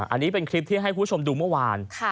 อันนี้เป็นคลิปที่ให้คุณผู้ชมดูเมื่อวาน